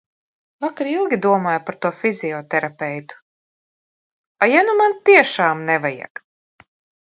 Vakar ilgi domāju par to fizioterapeitu. A, ja nu man tiešām nevajag?